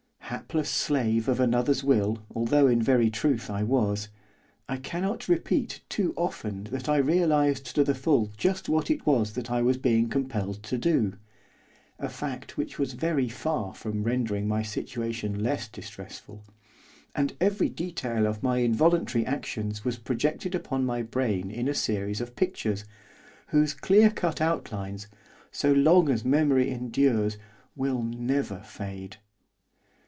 Hapless slave of another's will although in very truth I was, I cannot repeat too often that I realised to the full just what it was that I was being compelled to do a fact which was very far from rendering my situation less distressful! and every detail of my involuntary actions was projected upon my brain in a series of pictures, whose clear cut outlines, so long as memory endures, will never fade.